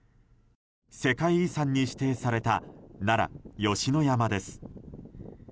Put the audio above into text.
世界遺産に指定された奈良・吉野山です。